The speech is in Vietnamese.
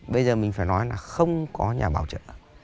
bây giờ mình phải nói là không có nhà bảo trợ ạ